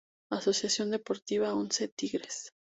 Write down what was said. Asociación Deportiva Once Tigres.